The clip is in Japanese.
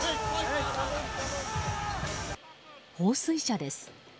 放水車です。